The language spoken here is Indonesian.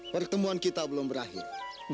pertemuan kita belum berakhir